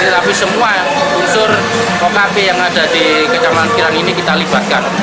tapi semua unsur okp yang ada di kecamatan pirang ini kita libatkan